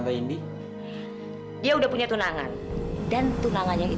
kadang saya tak akan ditanya